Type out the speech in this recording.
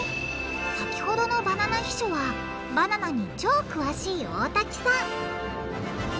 先ほどのバナナ秘書はバナナに超詳しい大滝さん